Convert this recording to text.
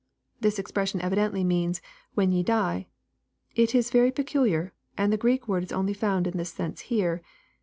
'] This expression evidently means, " when ye die." It is very pecuhar, and the Greek word is only found in thLi sense here.